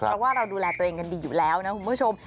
เพราะว่าเราดูแลตัวเองกันดีอยู่แล้วนะคุณผู้ชม